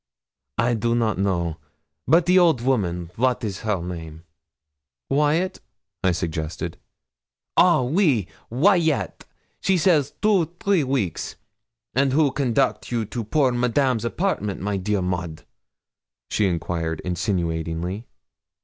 'I do not know, but the old women wat is her name?' 'Wyat,' I suggested. 'Oh! oui, Waiatt; she says two, three week. And who conduct you to poor Madame's apartment, my dear Maud?' She inquired insinuatingly.